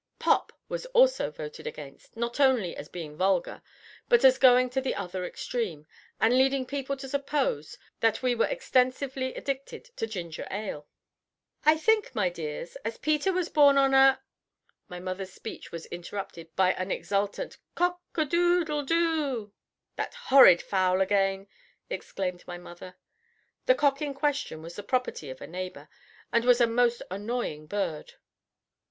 "Pop" was also voted against, not only as being vulgar, but as going to the other extreme, and leading people to suppose that we were extensively addicted to ginger ale. "I think, my dears, as Peter was born on a " My mother's speech was interrupted by an exultant "Cock a doodle do." "That horrid fowl again!" exclaimed my mother. The cock in question was the property of a neighbor, and was a most annoying bird.